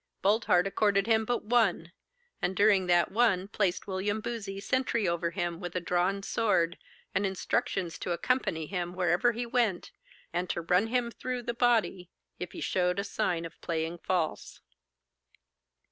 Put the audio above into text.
Boldheart accorded him but one; and during that one placed William Boozey sentry over him, with a drawn sword, and instructions to accompany him wherever he went, and to run him through the body if he showed a sign of playing false.